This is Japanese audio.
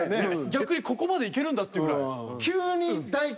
逆にここまでいけるんだっていうぐらい。